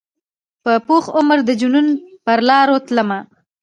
په پوخ عمر د جنون پرلاروتلمه